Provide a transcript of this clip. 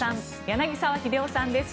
柳澤秀夫さんです。